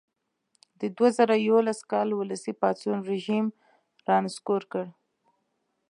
د دوه زره یوولس کال ولسي پاڅون رژیم را نسکور کړ.